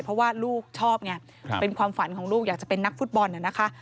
เพราะว่าลูกชอบไงเป็นความฝันของลูกอยากจะเป็นนักฟุตบอลน่ะนะคะ